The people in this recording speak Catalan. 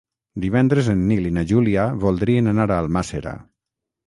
Divendres en Nil i na Júlia voldrien anar a Almàssera.